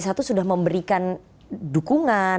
sudah memberikan dukungan